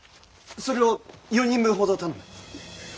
それを４人分ほど頼む。